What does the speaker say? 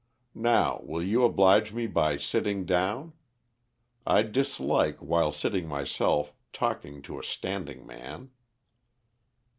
Now will you oblige me by sitting down? I dislike, while sitting myself, talking to a standing man."